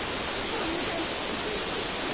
マメだいふくおとしちゃった。